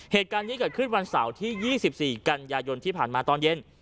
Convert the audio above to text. เหตุการณ์นี้เกิดขึ้นวันเสาร์ที่๒๔กันยายนที่ผ่านมาตอนเย็น